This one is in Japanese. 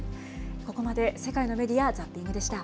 ここまで世界のメディア・ザッピングでした。